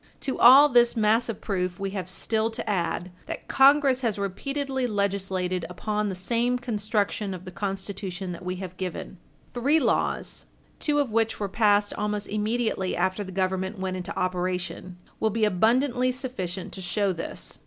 To all this mass of proof we have still to add, that Congress has repeatedly legislated upon the same construction of the Constitution that we have given. Three laws, two of which were passed almost immediately after the Government went into operation, will be abundantly sufficient to show this.